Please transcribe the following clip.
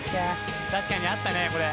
確かにあったねこれ。